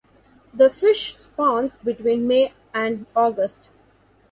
The fish spawns between May and August.